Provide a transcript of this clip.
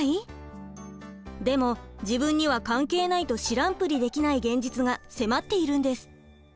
でも自分には関係ないと知らんぷりできない現実が迫っているんです。